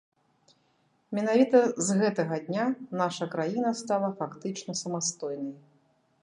Менавіта з гэтага дня наша краіна стала фактычна самастойнай.